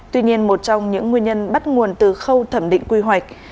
tuy nhiên một trong những nguyên nhân bắt nguồn từ khâu thẩm định quy hoạch